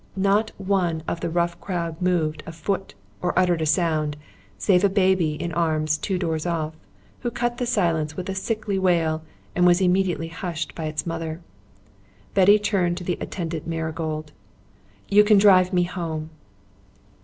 Not one of the rough crowd moved a foot or uttered a sound, save a baby in arms two doors off, who cut the silence with a sickly wail and was immediately hushed by its mother. Betty turned to the attendant Marigold. "You can drive me home."